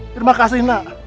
terima kasih nak